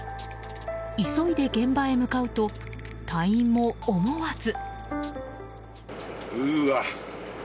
急いで現場へ向かうと隊員も思わず。